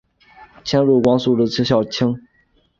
累迁光禄寺少卿。